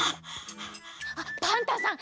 あっパンタンさん